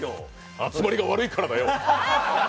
集まりが悪いからだよ！